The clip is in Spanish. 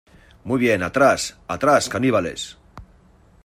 ¡ Muy bien, atrás! ¡ atrás , caníbales !